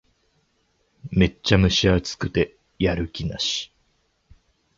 めっちゃ蒸し暑くてやる気なし